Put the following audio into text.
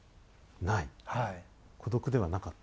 孤独ではなかった？